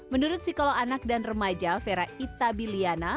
menurut psikolog anak dan remaja vera itabiliana